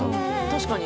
「確かに。